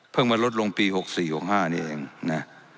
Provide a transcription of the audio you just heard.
เพิ่งมาลดลงปี๖๔๖๕เนี้ยเองนะ